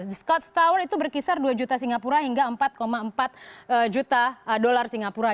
the scotch tower itu berkisar dua juta singapura hingga empat empat juta dolar singapura